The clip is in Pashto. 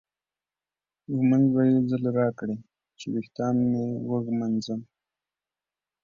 ږومنځ به یو ځل راکړې چې ویښتان مې وږمنځم.